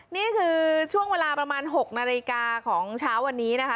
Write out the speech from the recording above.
นี่คือช่วงเวลาประมาณ๖นาฬิกาของเช้าวันนี้นะคะ